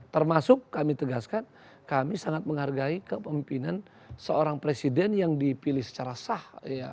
termasuk kami tegaskan kami sangat menghargai kepemimpinan seorang presiden yang dipilih secara sah